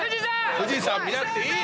富士山見なくていい！